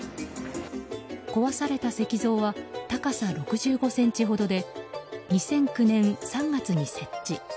壊された石像は高さ６５ｃｍほどで２００９年３月に設置。